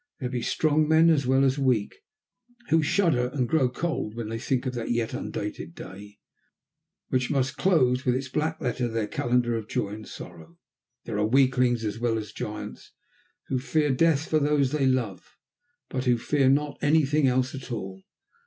There be strong men, as well as weak, who shudder and grow cold when they think of that yet undated day which must close with its black letter their calendar of joy and sorrow; there are weaklings, as well as giants, who fear death for those they love, but who fear not anything else at all.